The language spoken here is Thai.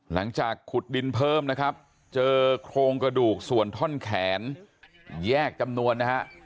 หลังจากขุดดินเพิ่มนะครับเจอโครงกระดูกส่วนท่อนแขนแยกจำนวนนะฮะ